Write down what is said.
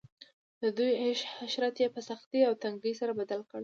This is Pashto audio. د دوی عيش عشرت ئي په سختۍ او تنګۍ سره بدل کړ